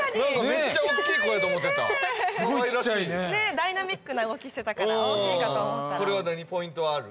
めっちゃ大きい子やと思ってたダイナミックな動きしてたから大きいかと思ったらこれは何ポイントはある？